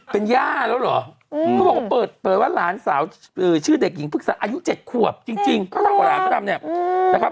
เป็นย่าแล้วเหรอเขาบอกว่าเปิดเผยว่าหลานสาวชื่อเด็กหญิงพฤกษาอายุ๗ขวบจริงเขาทำกับหลานพระดำเนี่ยนะครับ